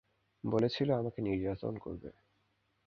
বলেছিল আমাকে নির্যাতন করবে।